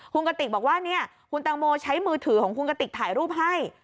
คุณกติกบอกว่าเนี่ยคุณตังโมใช้มือถือของคุณกติกถ่ายรูปให้